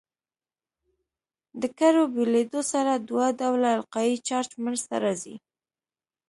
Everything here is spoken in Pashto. د کرو بېلېدو سره دوه ډوله القایي چارج منځ ته راځي.